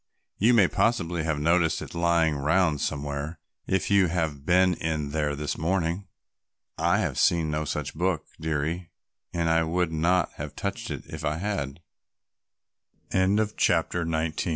You may possibly have noticed it lying round somewhere if you have been in there this morning." "I have seen no such book, dearie, and I would not have touched it if I